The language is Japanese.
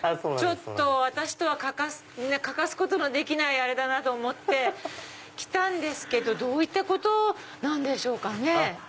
私とは欠かすことのできないあれだなと思って来たけどどういったことなんでしょうか？